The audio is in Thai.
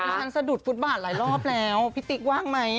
ฉันสะดุดฟุตบาทหลายรอบแล้วพี่ติ๊กว่างไหม